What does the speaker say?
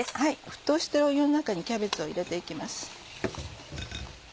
沸騰してる湯の中にキャベツを入れて行きます。